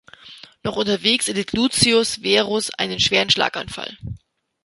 Noch unterwegs erlitt Lucius Verus einen schweren Schlaganfall.